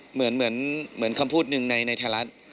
เหมือนคำพูดหนึ่งในไทยรัฐ